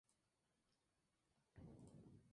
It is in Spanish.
El Rey de la Noche lo convierte en uno de los suyos.